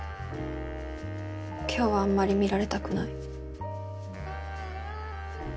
今日はあんまり見られたくない。